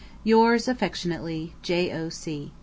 Yours affectionately, J.O.C.